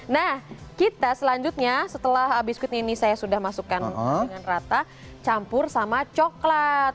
nah kita selanjutnya setelah biskuit ini saya sudah masukkan dengan rata campur sama coklat